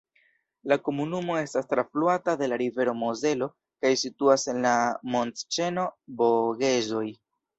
La komunumo estas trafluata de la rivero Mozelo kaj situas en la montĉeno Vogezoj.